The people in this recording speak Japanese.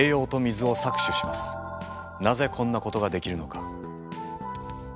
なぜこんなことができるのか？